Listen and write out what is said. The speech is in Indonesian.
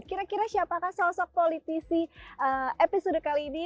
kira kira siapakah sosok politisi episode kali ini